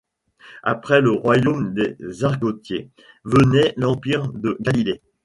Après le royaume des argotiers, venait l’empire de Galilée.